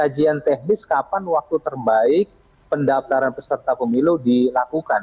kajian teknis kapan waktu terbaik pendaftaran peserta pemilu dilakukan